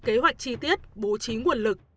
kế hoạch chi tiết bố trí nguồn lực